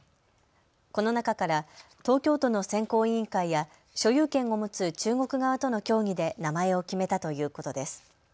この中から東京都の選考委員会や所有権を持つ中国側との協議で名前を決めたということです。